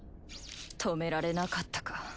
止められなかったか。